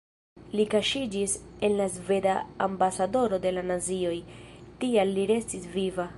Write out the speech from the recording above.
Li kaŝiĝis en la sveda ambasadoro de la nazioj, tial li restis viva.